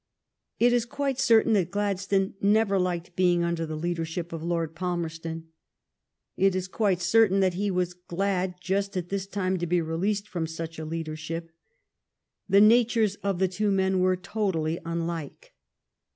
It is quite certain that Gladstone never liked being under the leadership of Lord Palmerston. It is quite certain that he was glad just at this time to be released from such a leadership. The natures of the two men were totally unlike.